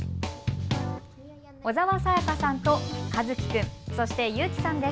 小澤さやかさんと一輝君そして優姫さんです。